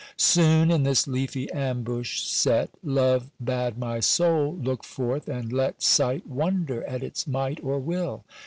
Soon, in this leafy ambush set, Love bade my soul look forth and let Sight wonder at its might or will.